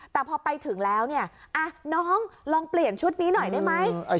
แต่พอไปถึงแล้วเนี่ยน้องลองเปลี่ยนชุดนี้หน่อยได้ไหม